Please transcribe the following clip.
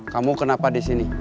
kamu kenapa di sini